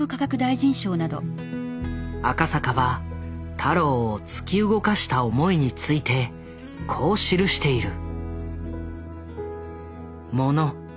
赤坂は太郎を突き動かした思いについてこう記している。